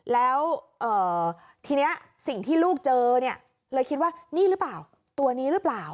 แล้วทีนี้สิ่งที่ลูกเจอเนี่ยเลยคิดว่านี่หรือเปล่าตัวนี้หรือเปล่า